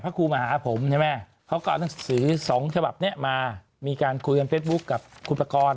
ครูมาหาผมใช่ไหมเขาก็เอาหนังสือสองฉบับนี้มามีการคุยกันเฟสบุ๊คกับคุณประกอบ